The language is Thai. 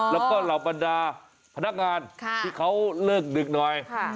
แล้วก็เหล่าบรรดาพนักงานที่เขาเลิกดึกหน่อย